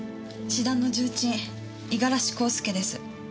詩壇の重鎮五十嵐孝介です。